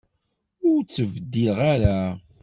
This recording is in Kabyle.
Ur ttebeddileɣ ara.